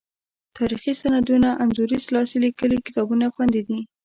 تاریخي سندونه، انځوریز لاس لیکلي کتابونه خوندي دي.